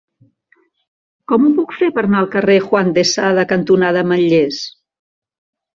Com ho puc fer per anar al carrer Juan de Sada cantonada Ametllers?